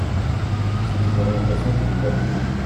C’est une orientation que nous approuvons.